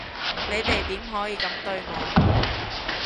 你哋點可以噉對我？